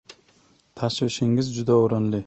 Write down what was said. — Tashvishingiz juda o‘rinli.